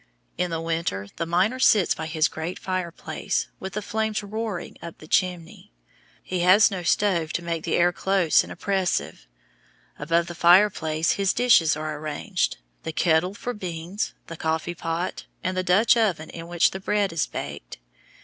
In the winter the miner sits by his great fireplace, with the flames roaring up the chimney. He has no stove to make the air close and oppressive. About the fireplace his dishes are arranged the kettle for beans, the coffee pot, and the Dutch oven in which the bread is baked.